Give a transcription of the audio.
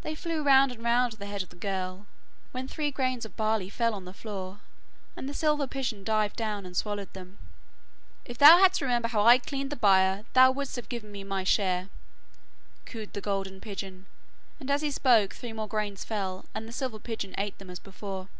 They flew round and round the head of the girl, when three grains of barley fell on the floor, and the silver pigeon dived down, and swallowed them. 'If thou hadst remembered how I cleaned the byre, thou wouldst have given me my share,' cooed the golden pigeon, and as he spoke three more grains fell, and the silver pigeon ate them as before.